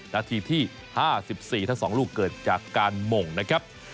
นาทีที่๕๔ทั้ง๒ลูกเกิดจากการหม่งนะครับ